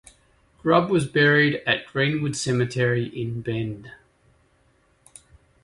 Grubb was buried at Greenwood Cemetery in Bend.